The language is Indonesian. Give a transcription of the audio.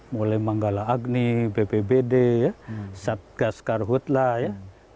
mulai manggala agni bbbd ya satgas karhutla ya